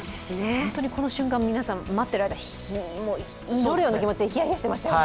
本当にこの瞬間、皆様待っている間祈るような気持ちでヒヤヒヤしていましたね。